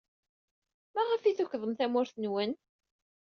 Maɣef ay tukḍem tamurt-nwen?